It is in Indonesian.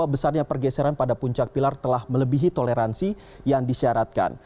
dan pada puncak pilar telah melebihi toleransi yang disyaratkan